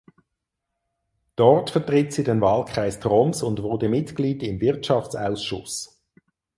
Dort vertritt sie den Wahlkreis Troms und wurde Mitglied im Wirtschaftsausschuss.